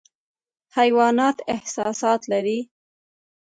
حیوانات احساسات لري